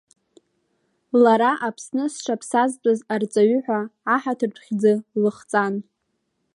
Лара Аԥсны зҽаԥсазтәыз арҵаҩы ҳәа аҳаҭыртә хьӡы лыхҵан.